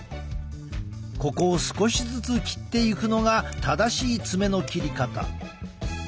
ここを少しずつ切っていくのが正しい爪の切り方。